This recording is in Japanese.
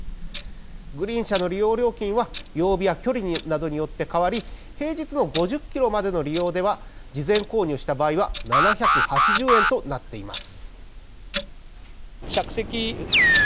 グリーン車の利用料金は曜日や距離になどによって変わり平日の５０キロまでの利用では事前購入した場合は７８０円となっています。